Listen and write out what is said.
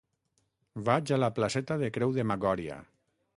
Vaig a la placeta de Creu de Magòria.